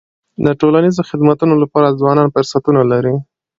د ټولنیزو خدمتونو لپاره ځوانان فرصتونه لري.